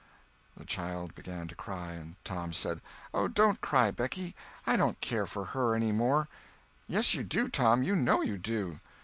The child began to cry. Tom said: "Oh, don't cry, Becky, I don't care for her any more." "Yes, you do, Tom—you know you do."